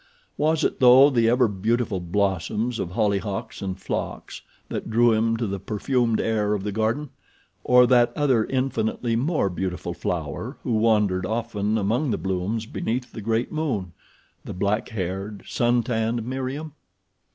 Was it, though, the ever beautiful blossoms of hollyhocks and phlox that drew him to the perfumed air of the garden, or that other infinitely more beautiful flower who wandered often among the blooms beneath the great moon—the black haired, suntanned Meriem?